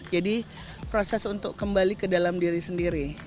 jadi proses untuk kembali ke dalam diri sendiri